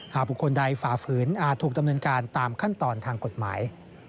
บุคคลใดฝ่าฝืนอาจถูกดำเนินการตามขั้นตอนทางกฎหมาย